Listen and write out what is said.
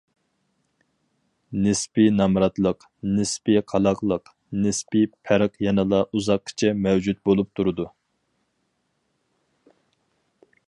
نىسپىي نامراتلىق، نىسپىي قالاقلىق، نىسپىي پەرق يەنىلا ئۇزاققىچە مەۋجۇت بولۇپ تۇرىدۇ.